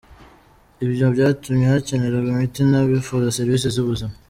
Ibyo byatumye hakenerwa imiti n’abifuza serivisi z’ubuzima.